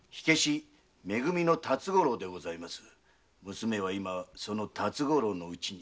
娘は今その辰五郎の家に。